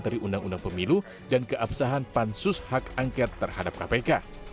untuk mencari undang undang pemilu dan keabsahan pansus hak angker terhadap kpk